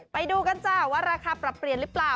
ไปดูกันจ้ะว่าราคาปรับเปลี่ยนหรือเปล่า